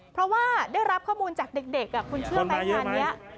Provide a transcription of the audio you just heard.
เพราะว่าได้รับข้อมูลจากเด็กคุณเชื่อไหมงานนี้